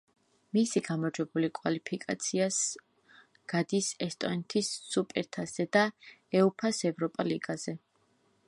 მისი გამარჯვებული კვალიფიკაციას გადის ესტონეთის სუპერთასზე და უეფა-ს ევროპა ლიგაზე.